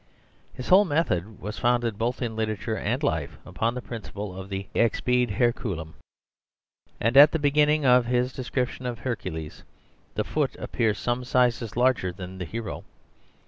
His whole method was founded both in literature and life upon the principle of the "ex pede Herculem," and at the beginning of his description of Hercules the foot appears some sizes larger than the hero.